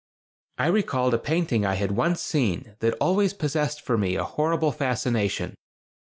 I recalled a painting I had once seen that always possessed for me a horrible fascination.